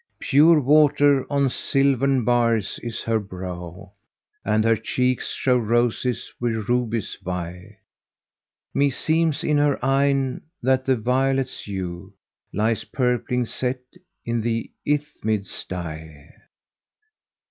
Pure water on silvern bars is her brow, * And her cheeks show roses with rubies vie: Meseems in her eyne that the violet's hue * Lies purpling set in the Ithmid's[FN#196] dye."